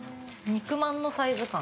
肉まんのサイズ感。